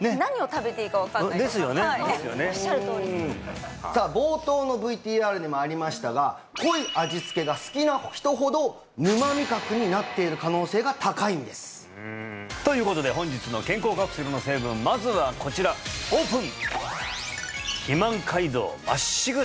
おっしゃるとおりさあ冒頭のＶＴＲにもありましたが濃い味付けが好きな人ほど沼味覚になっている可能性が高いんですということで本日の健康カプセルの成分まずはこちらオープン！